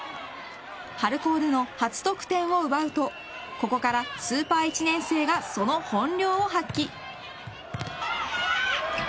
春高での初得点を奪うとここからスーパー１年生がその本領を発揮。